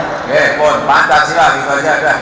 oke bon pantah silap bisa lihat ya